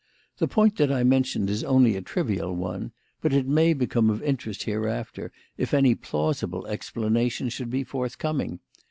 The point that I mentioned is only a trivial one, but it may become of interest hereafter if any plausible explanation should be forthcoming."